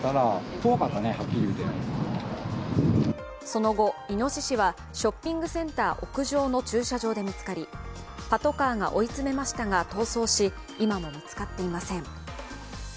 その後、いのししはショッピングセンター屋上の駐車場で見つかり、パトカーが追い詰めましたが逃走し、今も見つかっていません。